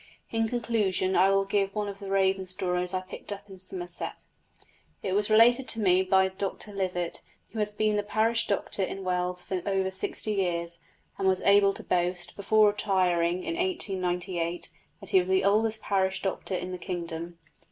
In conclusion I will give one of the raven stories I picked up in Somerset. It was related to me by Dr Livett, who has been the parish doctor in Wells for over sixty years, and was able to boast, before retiring in 1898, that he was the oldest parish doctor in the kingdom.